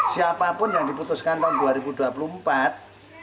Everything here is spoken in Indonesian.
siapapun yang diputuskan tahun dua ribu dua puluh empat